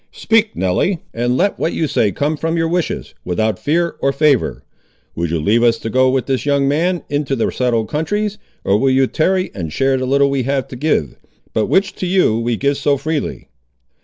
Speak, Nelly, and let what you say come from your wishes, without fear or favour. Would you leave us to go with this young man into the settled countries, or will you tarry and share the little we have to give, but which to you we give so freely?"